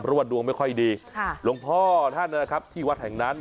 เพราะว่าดวงไม่ค่อยดีหลวงพ่อท่านนะครับที่วัดแห่งนั้น